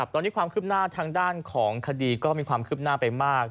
ตอนนี้ความคืบหน้าทางด้านของคดีก็มีความคืบหน้าไปมาก